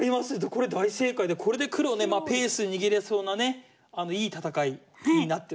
これ大正解でこれで黒ねペース握れそうなねいい戦いになってます。